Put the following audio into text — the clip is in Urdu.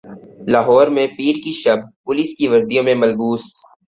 لاہور میں پیر کی شب پولیس کی وردیوں میں ملبوس